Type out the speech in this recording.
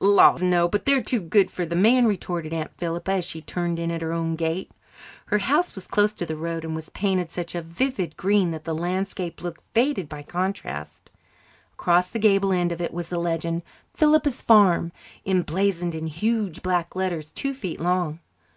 "Laws, no, but they're too good for the men," retorted Aunt Philippa, as she turned in at her own gate. Her house was close to the road and was painted such a vivid green that the landscape looked faded by contrast. Across the gable end of it was the legend, "Philippa's Farm," emblazoned in huge black letters two feet long.